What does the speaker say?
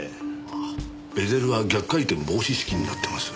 ああベゼルは逆回転防止式になってます。